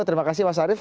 terima kasih mas arief